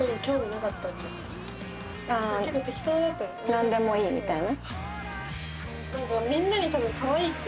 何でもいいみたいな？